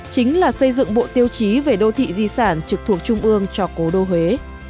chính là xây dựng bộ tiêu chí về đô thị di sản trực thuộc trung ương cho cố đô huế